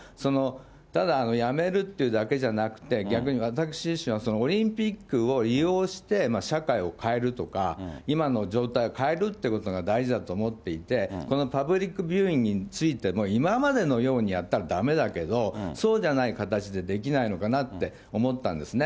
ただ、やめるっていうだけじゃなくて、逆に私自身は、オリンピックを利用して社会を変えるとか、今の状態を変えるっていうことが大事だと思っていて、このパブリックビューイングについても、今までのようにやったらだめだけど、そうじゃない形でできないのかなって思ったんですね。